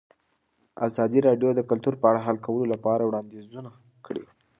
ازادي راډیو د کلتور په اړه د حل کولو لپاره وړاندیزونه کړي.